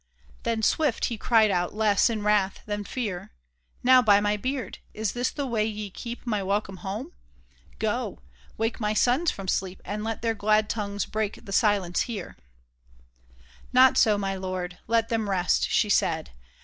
Then swift he cried out, less in wrath than fear, " Now, by my beard ! is this the way ye keep My welcome home ? Go ! wake my sons from sleep, And let their glad tongues break the silence here !"*' Not so, my dear lord ! Let them rest," she said.